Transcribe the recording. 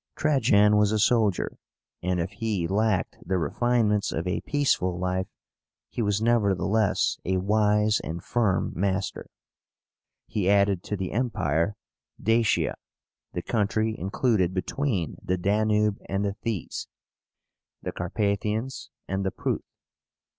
Trajan was a soldier, and, if he lacked the refinements of a peaceful life, he was nevertheless a wise and firm master. He added to the Empire Dacia, the country included between the Danube and the Theiss, the Carpathians and the Pruth.